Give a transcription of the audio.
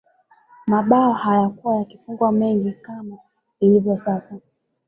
mabao hayakuwa yakifungwa mengi kama ilivyo sasa